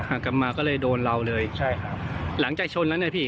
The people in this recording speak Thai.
กลับมาก็เลยโดนเราเลยใช่ครับหลังจากชนนั้นเนี่ยพี่